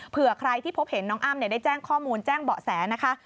เผื่อใครที่พบเห็นน้องอ้ำได้แจ้งข้อมูลแจ้งเบาะแสนะคะ